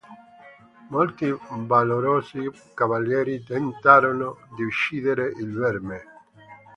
Molti valorosi cavalieri tentarono di uccidere il "verme".